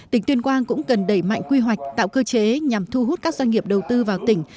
tỉnh tuyên quang cũng cần đẩy mạnh quy hoạch tạo cơ chế nhằm thu hút các doanh nghiệp đầu tư vào tỉnh